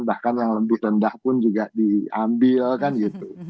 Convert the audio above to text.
bahkan yang lebih rendah pun juga diambil kan gitu